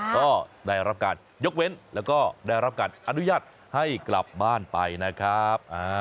ก็ได้รับการยกเว้นแล้วก็ได้รับการอนุญาตให้กลับบ้านไปนะครับ